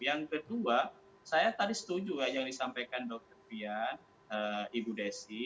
yang kedua saya tadi setuju yang disampaikan dr fian ibu desi